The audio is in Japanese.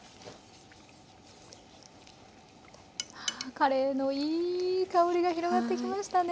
カレーのいい香りが広がってきましたね。